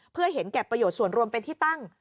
เพื่อเห็นแก่ประโยชน์ส่วนรวมเป็นที่ตั้ง